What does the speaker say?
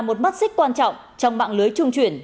một mắt xích quan trọng trong mạng lưới trung chuyển